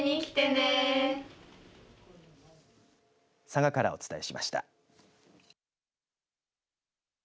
佐賀からお伝えしました。